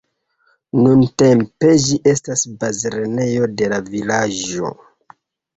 Nuntempe ĝi estas bazlernejo de la vilaĝo.